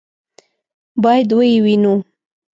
باید ویې وینو.